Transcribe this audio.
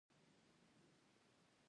کتاب وویل چې مړي به را ژوندي شي.